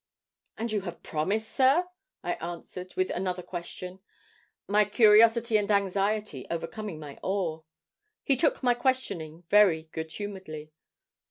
'And have you promised, sir?' I answered, with another question, my curiosity and anxiety overcoming my awe. He took my questioning very good humouredly.